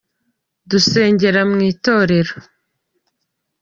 Dusengera mu itorero